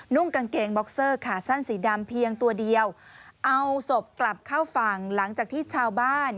กางเกงบ็อกเซอร์ขาสั้นสีดำเพียงตัวเดียวเอาศพกลับเข้าฝั่งหลังจากที่ชาวบ้าน